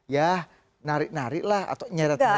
ya narik nariklah atau nyarat nyarat